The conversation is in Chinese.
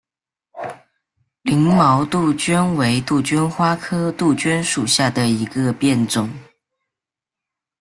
凝毛杜鹃为杜鹃花科杜鹃属下的一个变种。